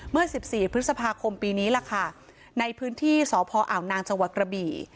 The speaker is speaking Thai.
เมื่อ๑๔พฤษภาคมปีนี้ล่ะค่ะในพื้นที่สพอ่าวนางจังหวัดกระบี่